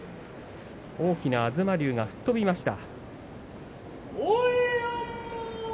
大きな東龍が吹っ飛びました。